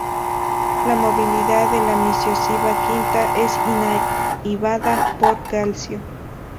La movilidad de la miosina V es inhibida por calcio.